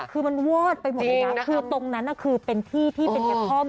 คือมันวอดไปหมดเลยนะคือตรงนั้นคือเป็นที่ที่เป็นกระท่อม